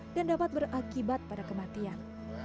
dan dapat berakibat pada kematian